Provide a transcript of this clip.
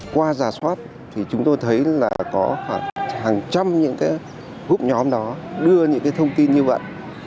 qua giả soát thì chúng tôi thấy là có khoảng hàng trăm những cái hút nhóm đó đưa những cái thông tin như vậy